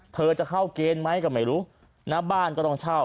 เธอจะเข้าเกณฑ์ไหมตามให้รู้นะบ้านก็ต้องเช่า